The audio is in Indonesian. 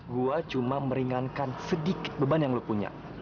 gua cuma meringankan sedikit beban yang lu punya